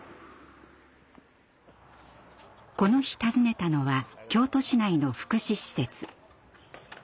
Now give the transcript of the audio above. この日訪ねたのは京都市内の福祉施設。